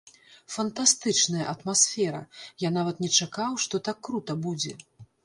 Фантастычная атмасфера, я нават не чакаў, што так крута будзе!